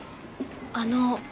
あの。